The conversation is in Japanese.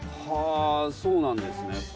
はぁそうなんですね。